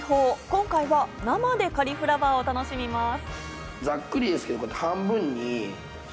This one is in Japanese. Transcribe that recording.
今回は生でカリフラワーを楽しみます。